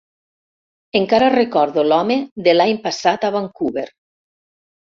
Encara recordo l'home de l'any passat a Vancouver.